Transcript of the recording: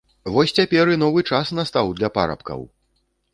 Вось цяпер і новы час настаў для парабкаў!